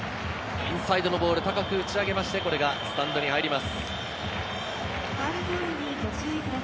インサイドのボールを高く打ち上げまして、スタンドに入ります。